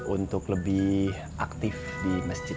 untuk lebih aktif di masjid